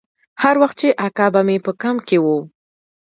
هر وخت چې اکا به مې په کمپ کښې و.